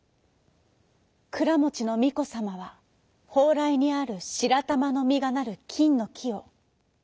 くらもちのみこさまはほうらいにあるしらたまのみがなるきんのきを。